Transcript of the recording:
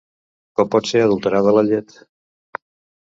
Com pot ser adulterada la llet?